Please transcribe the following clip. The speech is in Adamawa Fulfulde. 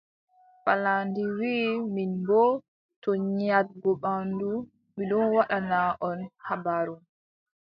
Pallandi wii, min boo, to nyaaɗgo ɓanndu, mi ɗon waddana on habaru.